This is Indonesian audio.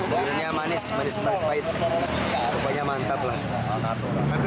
duriannya manis manis manis pahit